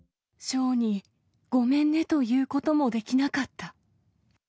翔に、ごめんねと言うこともできなかった。